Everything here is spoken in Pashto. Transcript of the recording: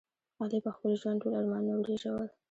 علي په خپل ژوند ټول ارمانونه ورېژول.